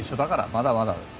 まだまだ。